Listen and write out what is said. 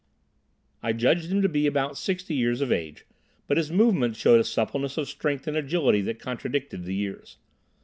I judged him to be about sixty years of age, but his movements showed a suppleness of strength and agility that contradicted the years.